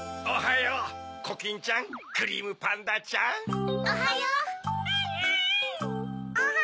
おはよう！